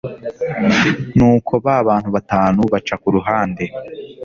nuko ba bantu batanu baca ku ruhande